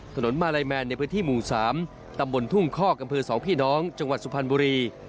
ตำบลทุ่งฮอกกำคือสองพี่น้องจังหวัดสุพรรณบุรี